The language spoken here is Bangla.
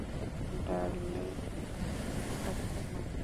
ডালিং, সব তোমার।